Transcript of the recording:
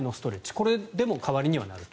これでも代わりにはなると。